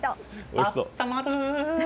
あったまる！